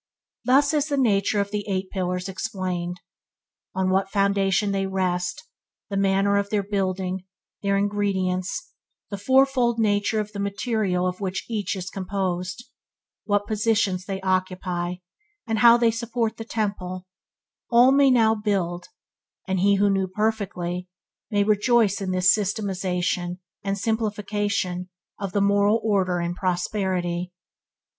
Thus is the nature of the Eight Pillars explained. On what foundation they rest, the manner of their building, their ingredients, the fourfold nature of the material of which each is composed, what positions they occupy, and how they support the Temple, all may now build; and he who knew but imperfectly may know more perfectly; and he who knew perfectly may rejoice in this systematization and simplification of the moral order in Prosperity.